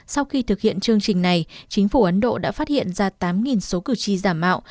sau khi thực hiện chương trình này chính phủ ấn độ đã phát hiện ra tám số cử tri giả mạo